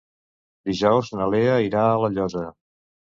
Dijous na Lea irà a La Llosa.